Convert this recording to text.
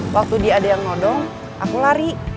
waktu dia ada yang ngodong aku lari